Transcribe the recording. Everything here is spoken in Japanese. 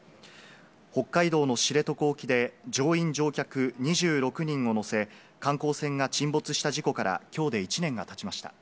北海道の知床沖で乗員・乗客２６人を乗せ、観光船が沈没した事故からきょうで１年がたちました。